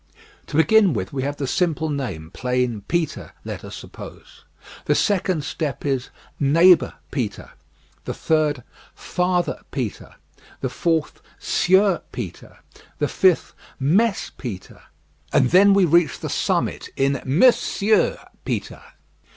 To begin with, we have the simple name, plain "Peter," let us suppose; the second step is "Neighbour Peter;" the third, "Father Peter;" the fourth, "Sieur Peter;" the fifth, "Mess Peter;" and then we reach the summit in "Monsieur Peter."